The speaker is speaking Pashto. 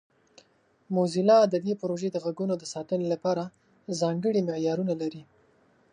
موزیلا د دې پروژې د غږونو د ساتنې لپاره ځانګړي معیارونه لري.